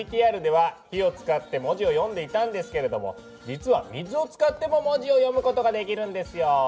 ＶＴＲでは火を使って文字を読んでいたんですけれども実は水を使っても文字を読むことができるんですよ。